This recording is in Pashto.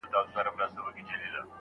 دوی له ډېر پخوا د شعر پر جوړښت کار کاوه.